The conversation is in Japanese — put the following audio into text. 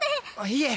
いえ！